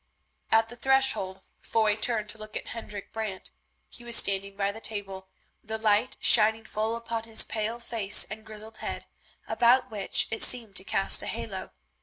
At the threshold Foy turned to look at Hendrik Brant. He was standing by the table, the light shining full upon his pale face and grizzled head, about which it seemed to cast a halo.